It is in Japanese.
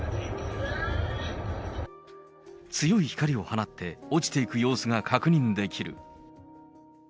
強い光を放って落ちていく様子が確認できる。